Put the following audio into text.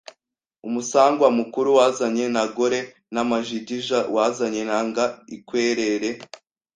Umusangwa mukuru: Wazanye n’agore ’amajigija wazanye n’aga ’iikwerere \